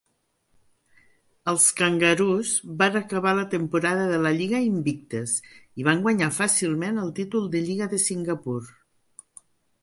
Els Kangaroos van acabar la temporada de la lliga invictes i van guanyar fàcilment el títol de lliga de Singapur.